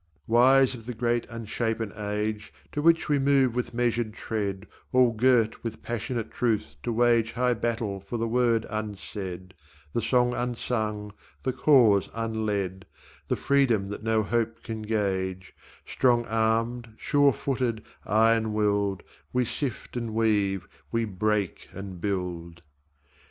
Wise of the great unshapen age, To which we move with measured tread All girt with passionate truth to wage High battle for the word unsaid, The song unsung, the cause unled, The freedom that no hope can gauge; Strong armed, sure footed, iron willed We sift and weave, we break and build.